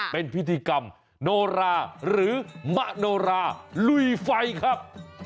เป็นพิธีกรรมโนราหรือมะโนราลุยไฟครับ